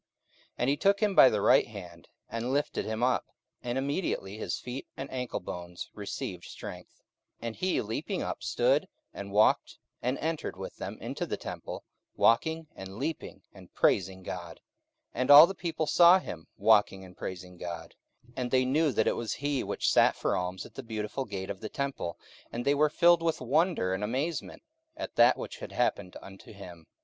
44:003:007 And he took him by the right hand, and lifted him up: and immediately his feet and ankle bones received strength. 44:003:008 And he leaping up stood, and walked, and entered with them into the temple, walking, and leaping, and praising God. 44:003:009 And all the people saw him walking and praising God: 44:003:010 And they knew that it was he which sat for alms at the Beautiful gate of the temple: and they were filled with wonder and amazement at that which had happened unto him.